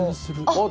あっ！